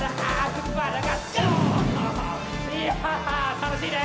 楽しいね！